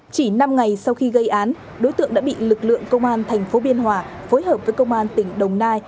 chỉ năm ngày sau khi gây án đối tượng đã bị lực lượng công an thành phố biên hòa phối hợp với công an tỉnh đồng nai